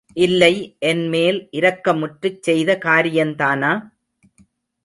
இல்லை என்மேல் இரக்கமுற்றுச் செய்த காரியந்தானா?